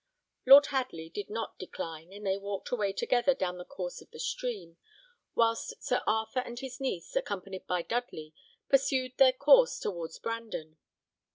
Lord Hadley did not decline, and they walked away together down the course of the stream, whilst Sir Arthur and his niece, accompanied by Dudley, pursued their course towards Brandon.